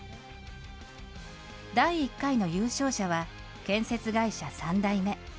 第１回の優勝者は、建設会社３代目。